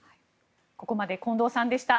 ここまで近藤さんでした。